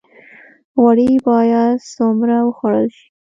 غوړي باید څومره وخوړل شي؟